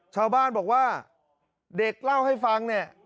ชาวบ้านบอกว่าเด็กเล่าให้ฟังเนี่ย